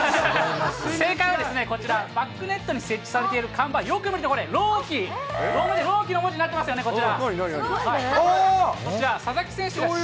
正解はこちら、バックネットに設置されている看板、よく見るとこれ、ローキ、ローマ字のローキの文字になってますよね、これ。